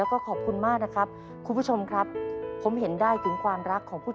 ก็ไม่ต้องต้องดู